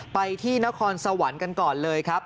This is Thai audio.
ไปที่นครสวรรค์กันก่อนเลยครับ